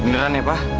beneran ya pa